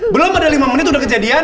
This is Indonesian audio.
belum ada lima menit udah kejadian